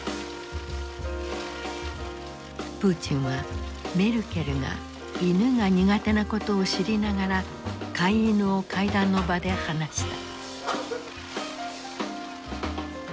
プーチンはメルケルが犬が苦手なことを知りながら飼い犬を会談の場で放した。